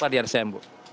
kenapa di rcm bu